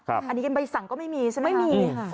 อันนี้ใบสั่งก็ไม่มีใช่ไหมครับ